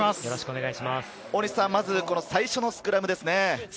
大西さん、まず最初のスクラムですね。